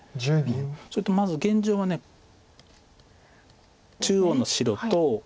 それとまず現状は中央の白と。